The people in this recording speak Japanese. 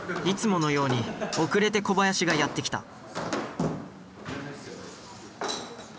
いつものように遅れて小林がやって来た。